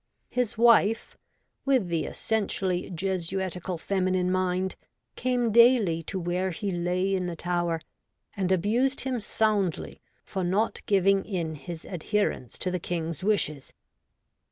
His wife, with the essentially Jesuitical feminine mind, came daily to where he lay in the Tower and abused him soundly for not giving in his adherence to the King's wishes.